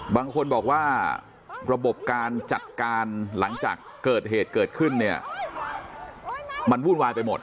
บางคนบอกว่าระบบการจัดการหลังจากเกิดเหตุเกิดขึ้นเนี่ยมันวุ่นวายไปหมด